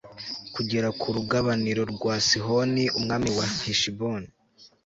kugera ku rugabaniro rwa sihoni, umwami wa heshiboni